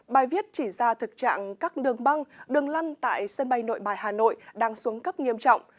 bài viết chỉ ra thực trạng các đường băng đường lăn tại sân bay nội bài hà nội đang xuống cấp nghiêm trọng